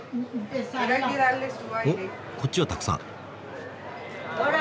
おっこっちはたくさん。